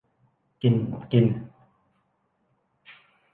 กินกิน